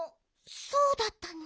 そうだったの？